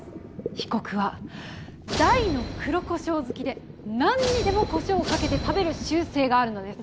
被告は大の黒コショウ好きで何にでもコショウをかけて食べる習性があるのです。